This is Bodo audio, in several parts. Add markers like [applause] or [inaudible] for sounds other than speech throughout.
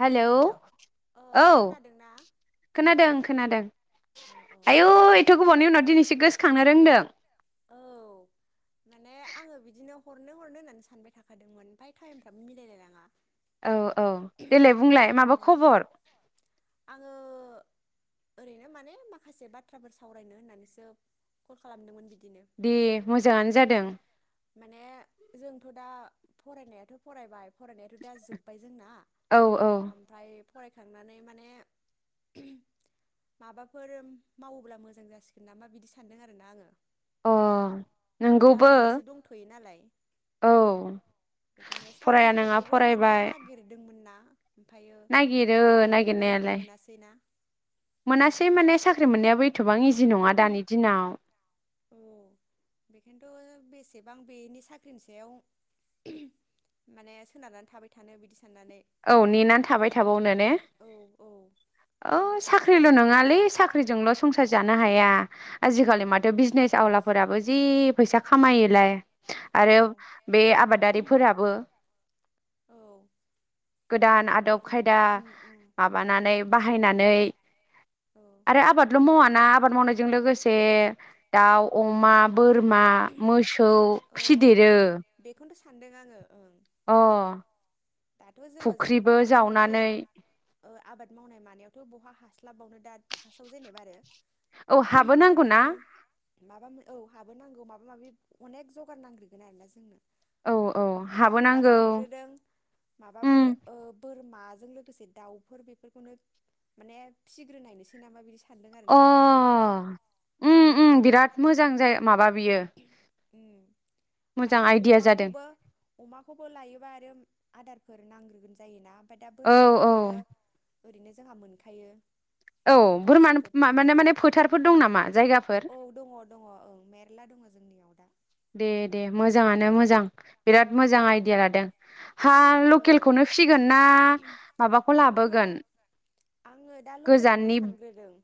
हेलौ ओ औ खोनादोंना खांनो औ औ रोंदों औ माने आङो बिदिनो हरनो हरनो होननानै सानबाय थाखादोंमोन ओमफ्राय टाइमफ्राबो मिलायलायलाङा। औ औ देलाय बुंलाय माबा खबर ओ ओरैनो माने माखासे बाथ्राफोर सावरायनो होननानैसो कल खालामदोंमोन बि दे मोजाङानो जादों [inaudible] माने जोंथ दा फरायनायाथ फरायबाय फरायनायाथ दा जोब्बाय जोंना औ औ ओमफ्राय फरायखांनानै माने माबाफोर मावोब्ला मोजां जासिगोन नामा बिदि सानदों आर ना आङो। अ दा नोंगौबो ओरैनोसो दंथयो नालाय औ बेखायनो फराया नङा साख्रिफोरखौबो माने फरायबाय नागिरदोंमोन ना ओमफ्रायो नागिरो नागिरबाबो नागिरनायालाय मोनासैना मोनासै माने साख्रि मोननायाबो एथबां [inaudible] इजि नङा दानि दिनाव एसेबां बेनि साख्रिनि सायाव माने सोनारनानै थाबाय थानो बिदि सान औ नेनानै थाबाय थाबावनो ने औ औ औ साख्रिल नङा नङालै साख्रिजोंल संसार जानो हाया आजिखालि माथो बिजनेस आवलाफोराबो जि फैसा खामायोलाय औ आरो बे आबादारिफोराबो औ गोदान आदब खायदा उम उम माबानानै बाहायना नै- औ आरो आबादल मावाना आबाद मावनायजों लोगोसे दाउ अमा बोरमा मोसौ खौ फिदेरो सान्दों आङो ओं अ दाथ जोङो जेनेबा फुख्रिबो माबा मोनसे जावनानै आबाद मावनाय मानायावथ बहा हास्लाबावनो दा फासस्टआव जेनेबा आरो औ हाबो नांगौ ना बेखायनो माबा औ हाबो नांगौ माब माबा माबि अनेक जगार नांग्रोगोन आरोना जोंनो औ औ ओमफ्राय हाबो आं दा नांगौ सानग्रोदों उम फोर ओ बोरमाजों लोगोसे दाउफोर बेफोरखौ माने फिसिग्रोनायनोसै नामा बिदि सान्दों आरोना आं दा ओम बिराद मोजां जायो माबा बियो मोजां माने आइडिया जादों अमाखौबो अमाखौबो लायोबा आरो आदार फोर नांग्रोगौ जायोना? ओमफ्राय दा औ औ बोरमाखौबो आरो ओरैनो जोंहा मोनखायो औ बोरमानो गांसोफोर माने थाखायो माने फोथारफोर दं नामा जायगाफोर [unintelligible] रला दङ जोंनियाव दा दे दे मोजाङानो मोजां बिराद मोजां आइदिया लादों हा औ लकेलखौनो फिसिगोन ना माबाखौ आंथ' लाबोगोन? आङो दा लकेलखौनो गोजाननि सानग्रोदों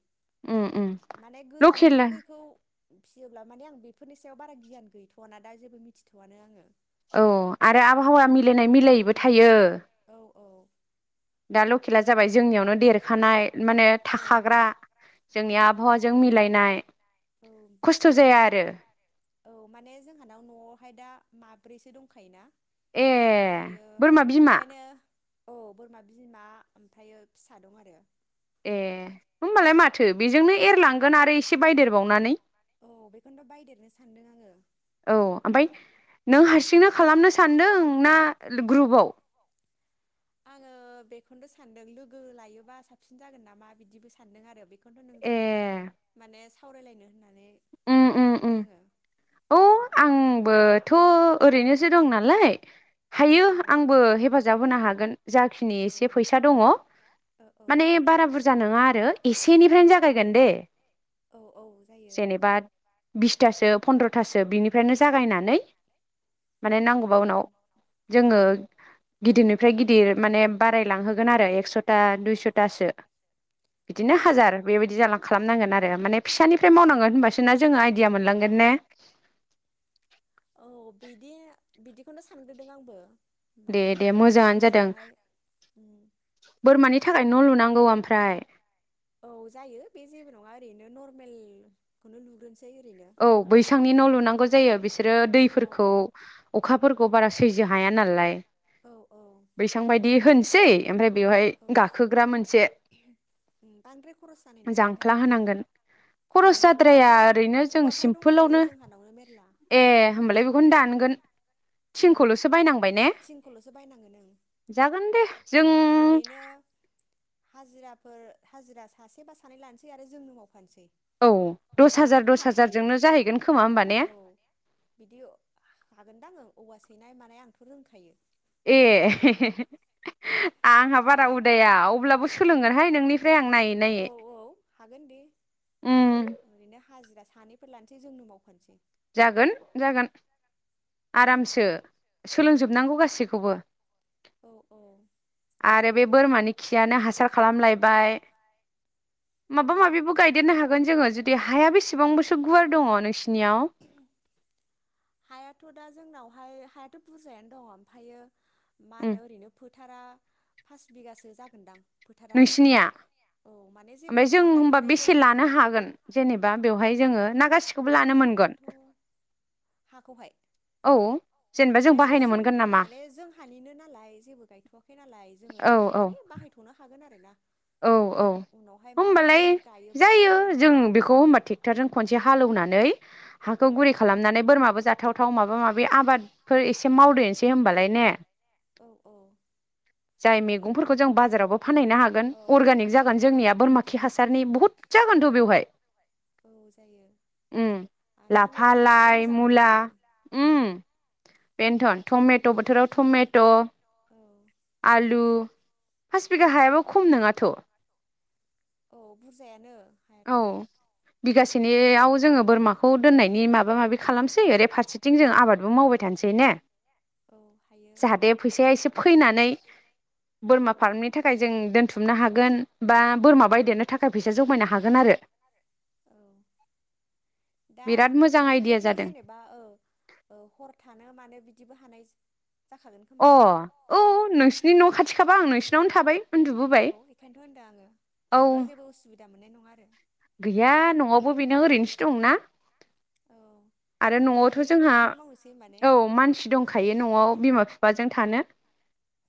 उम उम माने लकेल गोजाननिफोरखौ फिसियोब्ला माने आं बेफोरनि सायाव बारा गियान गैथवा ना दा जेबो मिथिथआनो आङो औ आरो आबहावा मिलायनाय मिलायैबो थायो औ औ दा लकेला जाबाय जोंनियावनो देरखानाय माने थाखाग्रा औ औ जोंनि आबहावाजों मिलायनाय औ खस्थ जाया आरो औ माने जोंहानाव नआवहाय दा माब्रैसो दंखायोना ए ओमफ्रायो बोरमा बिमा बेखायनो औ बोरमा बिमा ओमफ्रायो फिसा दं आरो ए होनोमबालाय माथो बेजोंनो एरलांगोन आरो एसे बायदेरबावनानै औ बेखौनोथ बायदेरनो सानदों आङो। औ ओमफ्राय नों हारसिंनो खालामनोसै सानदों ना ग्रुपआव आङो बेखौनो सानदों लोगो लायोबा साबसिन जागोन नामा बिदिबो सानदों आरो बेखौ थ नोंजों माने सान सावरायलायनो होननानै उ कल उ खालामबाय आङो औ आंबोथ ओरैनोसो दं नालाय औ हायो औ आंबो हेफाजाब होनो हागोन जाखिनि एसे फैसा दङ ओ माने बारा बुरजा नङा आरो एसेनिफ्रायनो जागायगोन दे औ औ जायो ओं बिसथासो फन्द्रथासो बिनिफ्रायनो जा गायनानै माने नांगौबा उनाव जोङो गिदिरनिफ्राय गिदिर माने बारायलांहोगोन आरो एकसथा दुइसथासो। बिदिनो औ हाजार बेबायदि जालां खालामनांगोन आरो माने फिसानिफ्राय मावनांगोन होनबासना जोंहा आइ दिया मोन लांगोन ने औ बिदि बिदिखौनो सानग्रोदों आंबो दे माबा दे मोजाङानो जादों जायखिजायाहाय उम बोरमानि थाखाय न लुना नांगौ ओमफ्राय औ जायो बे जेबो नङा ओरैनो नर्मेलखौनो लुग्रोनसै औ बैसांनि न लुनांगौ जायो बि बिसोरो औ दैफोरखौ औ अखाफोरखौ बारा सैज्य हाया नालाय औ बैसां बायदि होनज सै ओमफ्राय बेवहाय गाखोग्रा मोनसे उम बांद्राय खरस जानाय नङा बेहाय जांख्ला होनांगोन औ खरस जाद्राया औवाफोरा ओरैनो जों औवाफ्रा दंखायो सिमपोलावनो जोंहानावनो मेरला ए होमबालाय बेखौनो दानगोन औ थिंखौलसो बायनांबाय ने थिंखौल'सो बायनांगोन ओं जागोन दे जों फोर हाजिरा सासेबा सानै लानोसै आरो जोंनो मावफानोसै। औ दस हाजार आंथ' दस हाखायो हाजारजोंनो जाहैगोन खोमा होमबा ने औ बिदि हागोनदां ओं औवा सैनाय मानाय आंथ' रोंखायो। ए हे हे आंहा बारा माने उदाया अब्लाबो सोलोंगोनहाय नोंनिफ्राय आं नायै औ नायै औ हागोन दे उम। ओरैनो हाजिरा सानैफोर लानोसै जोंनो मावफानोसै। जागोन जागोन आरामसो सोलोंजोब जोबनांगौ गासैखौबो। औ औ आरो बे बोरमानि खियानो हासार खालाम लायबाय औ माबा माबिबो गायदेरनो हागोन जोङो जुदि हाया बेसे बेसेबांबोसो गुवार दङ नोंसिनियाव हायाथ' दा जोंनावहाय हायाथ' बुरजायानो दङ ओमफ्रायो मा उम होनो ओरैनो टारा पास बिगासो जागोनदां। फोथारा आरो नोंसिनिया औ माने जेबो ओमफ्राय जों माबा होबा गायथ'नाय बेसे जायाखै लानो बेहाय हागोन जेनेबा बेवहाय जोङो ना गासि लानायाथ' हाखौहाय औ जेनेबा जों हायाथ' बाहायनो मोनगोन जों नामा माने जोंहानिनो नालाय जेबो गायथवाखै नालाय जोङो औ दा औ माने बाहायथनो हागोन आरो। खोना औ औ होनबालाय गायोबासो जायो जों आरो बेखौ होमबा ट्रेक्टरजों खनसे हालौना नै हाखौ औ गुरि खालामनानै बोरमाबो जा थाव थाव माबा माबि आबादफोर एसे मावदेरसै होमबालाय ने औ औ जाय जायो मैगंफोरखौ जों बाजारावबो फानहैनो हागोन। औ औ अर्गानिक औ जागोन जोंनिया बोरमा खि हासारनि बुहुत जागोनथ' बेवहाय जायो उम आंथ' लाफा मैगंबो गायनो लाइ मोजां मुला मोनखायो उम बेनो थन टमेट' बोथोराव टमेट' औ आलु फास बिघा हायाबो खम नोङा थ' ओउ बुजायानो। औ बिगासेनि बेयाव जोङो बोरमाखौ दोननायनि माबा माबि खालामसै ओरै फारसेथिं जों आबादबो मावबाय थानोसै ने औ हायो ओं जाहाथे फैसाया एसे फैनानै बोरमा औ फार्मनि थाखाय जों दोनथुमनो हागो गोन बा बोरमा बायदिनो थाखा फैसा जमायनो हा गोन आरो। ओउ दा बिराद मोजां आइडिया नोंबोथ जादों जेनेबा ओउ ओउ हर थानो मानो बिदिबो हानाय जाखागोन खोमा अ ना औ नोंसिनि न खाथिख थाबा आं नोंसिनावनो थाबाय। उन्दुबोबाय ओउ बेखायनोथ होनदों आङो औ जेनेबा जेबो उसुबिदा मोननाय नङा आरो। गैया नवावबो बेनो ओरैनोसो दंना औ आरो नवावथ सानैजोंनो जोंहा बेखौनो मावनोसै होमबा ने औ मानसि दंखायो नवाव। बिमा बिफाजों थानो।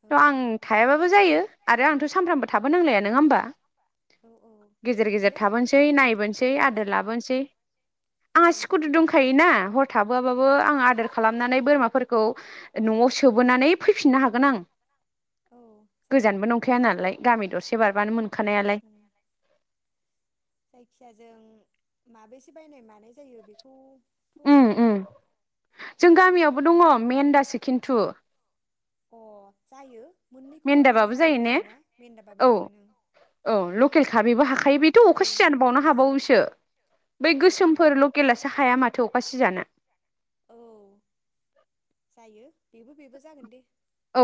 औ थ आं थायाबाबो जायो। आरो आंथ सामफ्रामबो थाबो नांलाया नङा होमबा? औ औ गेजेर गेजेर। बिदिनो थाबोनोसै ओं नायबोनोसै सम आदार सम लाबोनोसै औ आंहा स्कुटि जायो दंखायोना हर थाबोआबाबो आं आदार खालाम नानै बोरमाफोरखौ ओ नवाव सोबोनानै फैफिननो हागोन आं औ जायो गोजानबो नंखाया नालाय गामि दर एबारबानो उम मोनखानायालाय। उम जायखिया जों माबेसे बायनाय मानाय जायो बेखौ थ उम उम जों गामियावबो दङ मेेनदासो खिन्थु। अ जायो। मोननैखौबो लानो मेन्दाबाबो जायो हागोनथ' ने जों ना मेन्दाबाबो औ जागोन ओं औ लकेलखा बेबो हाखायो बेथ ओं अखा सिजा बावनो लकेलखासो हाबावोसो बै ओ ओ गोसोमफोर लकेेलासो हाया माथो अखा सिजानो। ओउ जायो। बेबो बेबो जागोन दे। औ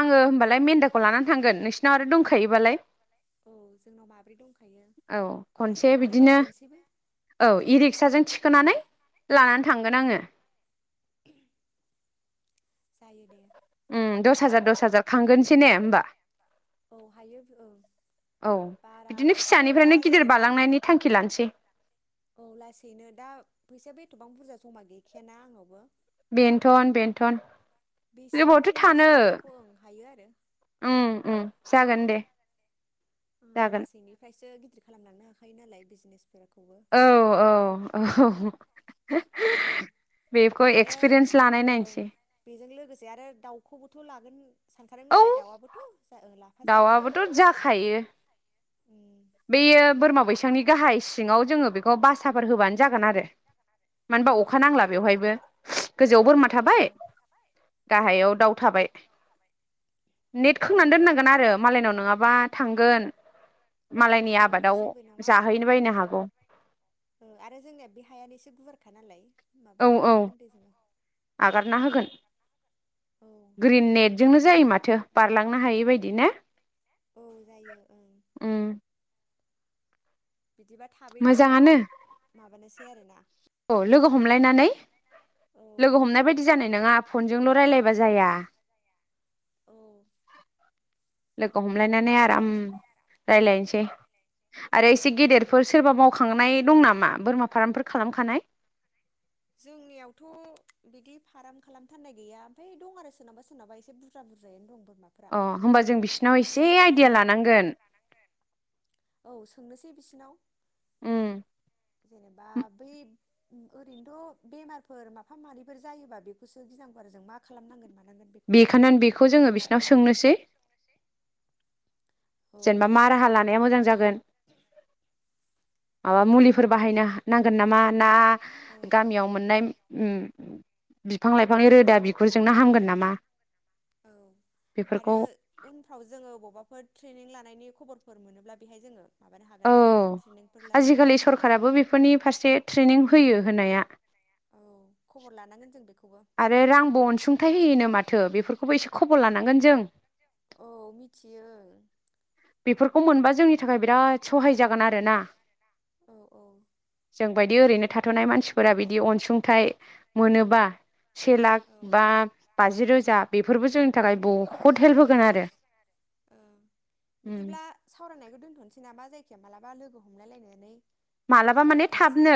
आङो होमबालाय मेन्दाखौ लानानै थांगोन नोंसिनाव आरो दंखायोबालाय। औ जोंनाव माब्रै दंखायो ओउ खनसे आरो बिदिनो बायदेरनोसैबो औ इरिक्साजों थिखोनानै लानानै थांगोन आङो। जायो दे। दास हाजार दस हाजार खांगोनसै ने होनोमबा। औ हायो औ औ बिदिनो बाराखौथ दा फिसानिफ्रायनो गिदिर जेनेबा बालांनायनि थांखि लानोसै औ लासैनो दा फैसा बे गोबां बुरजा जमा गैखायाना आंनावबो। बेनथन बेनथन ओबावथो बेसेबांखिनि थानो सिबांखौ ओं हायो आरो उम। जागोन दे। उ जागोन लासैनिफ्रायसो। खालामलांनो हाखायो नालाय बिजनेसफोरखौ। औ औ। बेखौ आरो एक्सपिरियेन्स लानाय ओ नायनोसै बेजों लोगोसे आरो दाउखौबो। थ लागोन। सानथारोमोन औ नालाय दाउआबोथ जा लाफा जाखायो। दाउआबोथ' जाखायो उम बेयो बोरमा बैसांनि गाहाय सिङाव जोङो बेखौ बासाफोर होबानो जागोन आरो। मानो औ होनबा अखा जायो नांला बेवहायबो गोजौआव बोरमा औ औ थाबाय गाहायाव दाउ। थाबाय। नेट खोंनानै उम दोननांगोन आरो मालायनाव नङाबा थांगोन। मालायनि औ आबादाव जेबो नङा जाहैनो बायनो हागौ औ आरो जोंनिया बे हायानो एसे गुवारखा नालाय। माबानो हाखागोन दे जोङो। हगारना होगोन औ ग्रिन नेटजोंनो जायो माथो बारलांनो हायैबाय। बेबायायदि ना। औ जायो ओं। बिदिबा थाबैनो माबानोस। ज आरोना। अ लोगो हमलायनानै। औ लोगो हमनाय बायदि जानाय नङा। फनजोंल रायलायबा जाया। औ। लोगो हम। हमलायनानै आराम रायज्लायनोसै। आरो एसे गेदेरफोर सोरबा मावखांनाय दं नामा बोरमा फार्मफोर खालामखानाय। जोंनियावथ बिदिलि फार्म खालामथारनाय गैया ओमफफ्राय दं आरो सोरनाबा सोरनाबा एसे बुरजा बुरजायानो दं। बोरमाफोरा अ होमबा जों बिसिनाव एसे फिनायानो आइडिया लानांगोन। औ सोंनोसै बिसिनाव। उम। जेनेबा बैब ओरैन। थ बेमारफोर माफा माबानैफोर जायोबा बेखौसो गिनांगौ आरो जों मा खालामनांगोन मान। बेखानन्द बेखौ जोङो बिसिनाव सोंनोसै। औ जेनेबा मा राहा लानाया मोजां जागोन। माबा मुलिफोर बाहायनो हा नांगोन नामा ना औ औ गामियाव मोननाय उम। बिफां लाइफांनि रोदा बिगुरजोंनो हामगोन नामा? औ आरो बेफोरखौ उनफ्राव जोङो अबावबाफोर ट्रेनिं लानायनि खबरफोर मोनोब्ला बेहाय जोङो माबानो हागोन औ आरोना ट्रेनिंफोर लानो हागोन आजिखालि सरखाराबो बेफोरनि फारसे ट्रेनिं होयो होनाया। औ खबर लानांगोन जों बेखौ। आरो रांबो अनसुंथाइ होयोनो माथो बेफोर खौबो एसे खबर लानांगोन जों। औ मिथियो। बेफोरखौ मोनबा जोंनि थाखाय बिराद सहाय जागोन आरो ना। औ औ। जों बायदि ओरैनो थाथ'नाय मानसिफोरा बिदि अनसुंथाइ मोनोबा सेेलाक बा ओ बाजि रोजा बेफ फोरबो जोंनि ओ थाखाय बहुत हेल्प होगोन आरो। ओ। बिदिब्ला सावरायनायखो दोनथ'नोसै नामा जाय खिया मालाबा लोगो हमलायलायनानै मालाबा माने रायलायथारनोसै थाबनो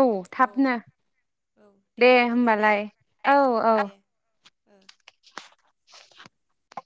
औ थाबनो औ दे बिदिब्ला ना होमबालाय औ ओ औ। दे ओ